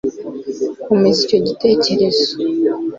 komeza icyo gitekerezo